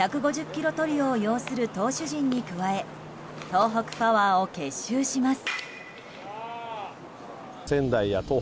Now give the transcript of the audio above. キロトリオを擁する投手陣に加え東北パワーを結集します。